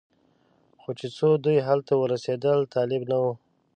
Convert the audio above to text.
خو چې څو دوی هلته ور ورسېدل طالب نه و.